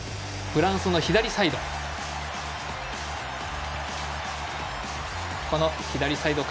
フランスの左サイド。